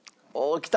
きた？